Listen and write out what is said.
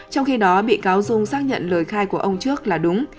trong khi đó bị cáo dung xác nhận lời khai của ông trước là đúng